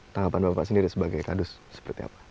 tanggapan bapak sendiri sebagai kadus seperti apa